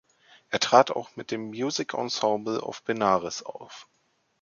Er trat auch mit dem "Music Ensemble of Benares" auf.